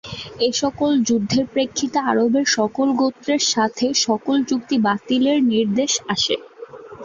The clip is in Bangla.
এসকল যুদ্ধের প্রেক্ষিতে আরবের সকল গোত্রের সাথে সকল চুক্তি বাতিলের নির্দেশ আসে।